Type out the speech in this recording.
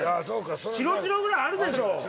チロチロぐらいあるでしょ！